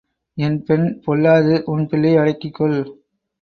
என் பெண் பொல்லாது உன் பிள்ளையை அடக்கிக் கொள்.